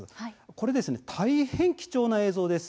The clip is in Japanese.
これですね、大変貴重な映像です。